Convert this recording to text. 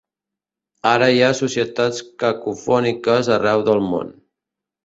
Ara hi ha societats cacofòniques arreu del món.